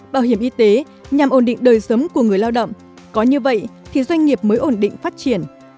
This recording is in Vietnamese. bảo hiểm y tế nhằm ổn định đời sống của người lao động có như vậy thì doanh nghiệp mới ổn định phát triển